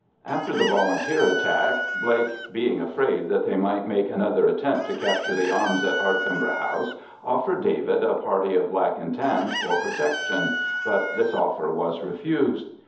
After the Volunteer attack, Blake, being afraid that they might make another attempt to capture the arms in Ardcumber House, offered David a party of Black and Tans for protection, but this offer was refused.